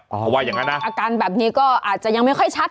เพราะว่าอย่างนั้นนะอาการแบบนี้ก็อาจจะยังไม่ค่อยชัด